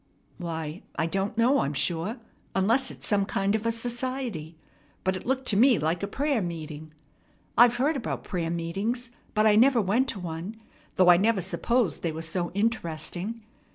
"Why, I don't know, I'm sure, unless it's some kind of a society. But it looked to me like a prayer meeting. I've heard about prayer meetings, but I never went to one, though I never supposed they were so interesting.